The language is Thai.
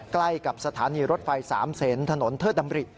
ใกล้กับสถานีรถไฟ๓เซนถนนเทิดดำริ